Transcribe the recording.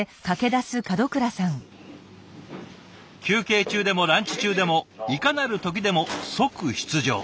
休憩中でもランチ中でもいかなる時でも即出場。